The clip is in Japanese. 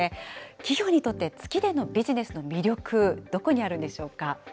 企業にとって、月でのビジネスの魅力、どこにあるんでしょうか。